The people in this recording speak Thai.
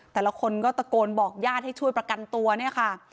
แต่ละคนก็ตะโกนบอกญาติให้ช่วยประกันตัวเนี่ยค่ะ